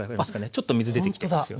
ちょっと水出てきてますよね。